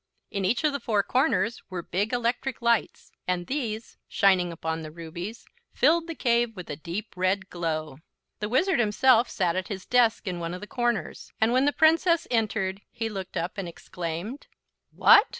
In each of the four corners were big electric lights, and these, shining upon the rubies, filled the cave with a deep red glow. The Wizard himself sat at his desk in one of the corners, and when the Princess entered he looked up and exclaimed: "What!